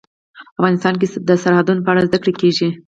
افغانستان کې د سرحدونه په اړه زده کړه کېږي.